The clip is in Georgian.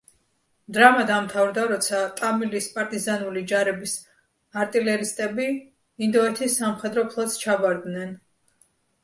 დრამა დამთავრდა, როცა ტამილის პარტიზანული ჯარების არტილერისტები ინდოეთის სამხედრო ფლოტს ჩაბარდნენ.